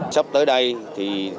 sắp tới đây thì